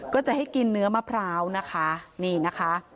ก็จะให้กินเนื้อมะพร้าวนะคะนี่นะคะ